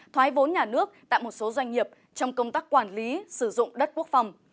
thoái vốn nhà nước tại một số doanh nghiệp trong công tác quản lý sử dụng đất quốc phòng